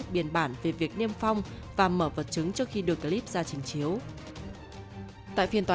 biên bản về việc niêm phong và mở vật chứng trước khi được clip ra trình chiếu